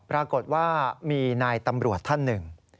ปรากฏว่ามีนายตำรวจท่านหนึ่ง